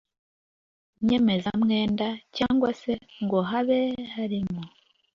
nyemezamwenda cyangwa se ngo habe harimo